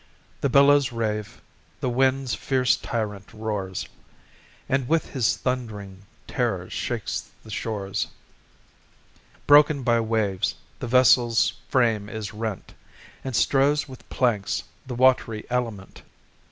The billows rave, the wind's fierce tyrant roars, And with his thund'ring terrors shakes the shores: Broken by waves the vessel's frame is rent, And strows with planks the wat'ry element.